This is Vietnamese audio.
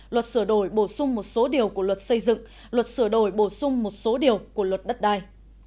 luật sửa đổi bổ sung một số điều của luật xây dựng luật sửa đổi bổ sung một số điều của luật đất đai